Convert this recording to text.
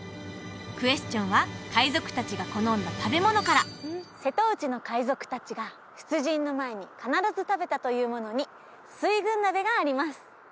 クエスチョンは海賊達が好んだ食べ物から瀬戸内の海賊達が出陣の前に必ず食べたというものに水軍鍋があります